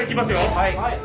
はい！